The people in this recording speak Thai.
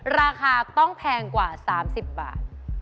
ราคาต้องแพงกว่า๓๐บาท